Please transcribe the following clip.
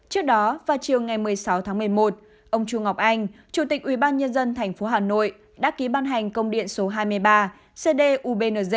trước đó vào chiều ngày một mươi sáu tháng một mươi một ông chu ngọc anh chủ tịch ubnd tp hà nội đã ký ban hành công điện số hai mươi ba cdubnz